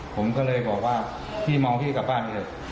ผมก็เลยบอกว่าพี่มองพี่กลับบ้านไปเถอะ